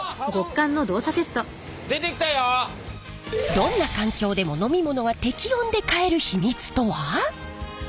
どんな環境でも飲み物が適温で買える秘密とは？